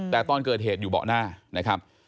แต่ตอนเกิดเหตุอยู่เบาะหน้านะครับ